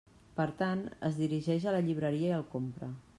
Per tant, es dirigeix a la llibreria i el compra.